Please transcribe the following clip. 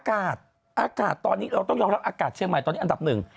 อากาศอากาศตอนนี้เราต้องยอมรับอากาศเชียงใหม่ตอนนี้อันดับหนึ่ง